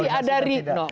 tidak ada kualitasnya